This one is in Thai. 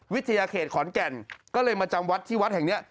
วิทยาเขตขอนแก่นก็เลยมาจำวัดที่วัดแห่งนี้